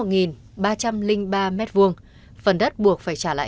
phần đất buộc phải trả lại hiện trạng ban đầu